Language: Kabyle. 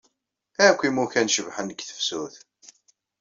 Akk imukan cebḥen deg tefsut.